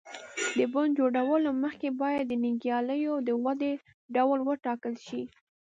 د بڼ جوړولو مخکې باید د نیالګیو د ودې ډول وټاکل شي.